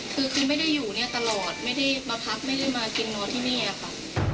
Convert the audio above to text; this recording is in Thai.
คือคือไม่ได้อยู่เนี่ยตลอดไม่ได้มาพักไม่ได้มากินนอนที่นี่ค่ะ